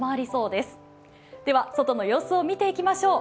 では外の様子を見ていきましょう。